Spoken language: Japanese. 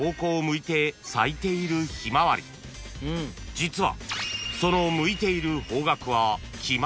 ［実は］